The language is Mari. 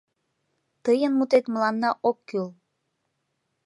— Тыйын мутет мыланна ок кӱл!